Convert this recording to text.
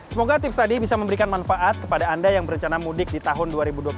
semoga tips tadi bisa memberikan manfaat kepada anda yang berencana mudik di tahun dua ribu dua puluh satu